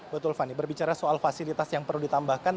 betul fani berbicara soal fasilitas yang perlu ditambahkan